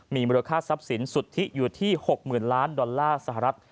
มีมูลค่าทรัพย์สินสุทธิอยู่ที่๖๐๐๐ล้านดอลลาร์สหรัฐ